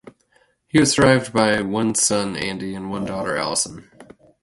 He was survived by one son, Andy, and one daughter, Alison.